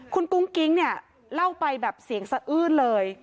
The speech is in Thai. คุณกุ้งกิ๊งเนี่ยเล่าไปแบบเสียงสะอื้นเลย